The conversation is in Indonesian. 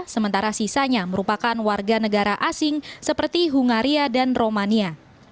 sementara sisanya merupakan warga negara asing seperti hungaria dan romania